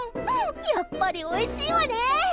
やっぱりおいしいわね！